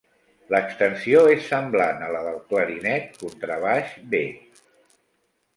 L'extensió és semblant a la del clarinet contrabaix B.